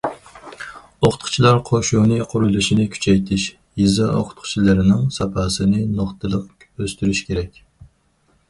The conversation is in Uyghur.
ئوقۇتقۇچىلار قوشۇنى قۇرۇلۇشىنى كۈچەيتىش، يېزا ئوقۇتقۇچىلىرىنىڭ ساپاسىنى نۇقتىلىق ئۆستۈرۈش كېرەك.